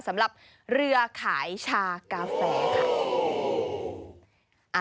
สำหรับเรือขายชากาแฟค่ะ